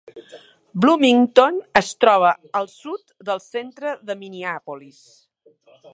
Bloomington es troba al sud del centre de Minneapolis.